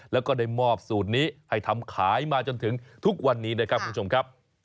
แล้วก็ได้มอบสูตรนี้ให้ทำขายมาจนถึงทุกวันนี้นะครับคุณผู้ชมครับ